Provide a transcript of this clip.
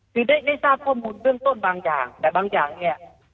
คือได้ทราบข้อมูลเบื้องต้นบางอย่างแต่บางอย่างเนี่ย